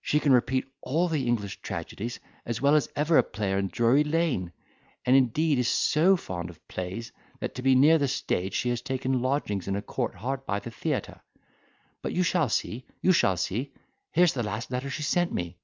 She can repeat all the English tragedies as well as ever a player in Drury Lane! and, indeed, is so fond of plays, that to be near the stage she has taken lodgings in a court hard by the theatre; but you shall see—you shall see—here's the last letter she sent me."